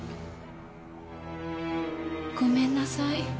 ごめんなさい。